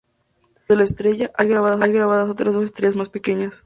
Dentro de la estrella, hay grabadas otras dos estrellas más pequeñas.